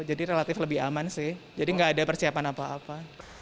jadi relatif lebih aman sih jadi nggak ada persiapan apa apa